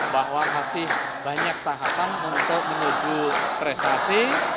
bahwa masih banyak tahapan untuk menuju prestasi